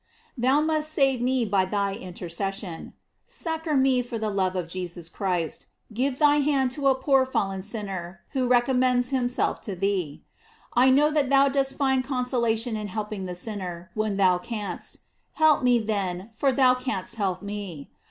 Thou must save me by thy intercession. Succor me for the love of Je sus Christ, give thy hand to a poor fallen sin ner who recommends himself to thee. I know that thou dost find consolation in helping the sinner when thou canst; help me then, for thou canst help me.